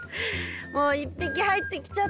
もう一匹入ってきちゃったら。